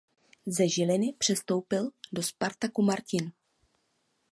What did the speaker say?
Ze Žiliny přestoupil do Spartaku Martin.